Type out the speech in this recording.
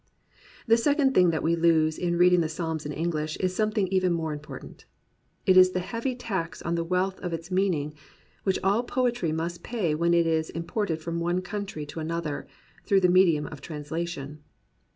The second thing that we lose in reading the Psalms in English is something even more impor tant. It is the heavy tax on the wealth of its mean ing, which all poetry must pay when it is imported from one country to another, through the medium of translation.